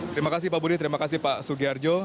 terima kasih pak budi terima kasih pak sugiharjo